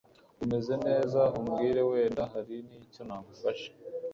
umeze neza umbwire wenda hari nicyo nagufasha